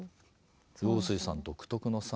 陽水さん独特のさ。